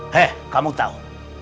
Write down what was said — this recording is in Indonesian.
he kamu tahu